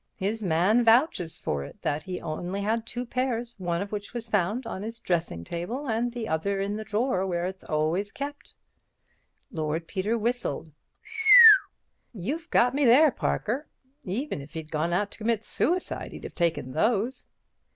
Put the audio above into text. "His man vouches for it that he had only two pairs, one of which was found on his dressing table, and the other in the drawer where it is always kept." Lord Peter whistled. "You've got me there, Parker. Even if he'd gone out to commit suicide he'd have taken those."